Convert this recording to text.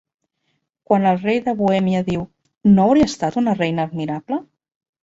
Quan el rei de Bohèmia diu, No hauria estat una reina admirable?